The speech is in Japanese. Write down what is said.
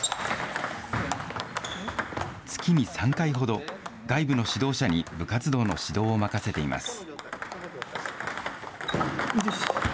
月に３回ほど、外部の指導者に部活動の指導を任せています。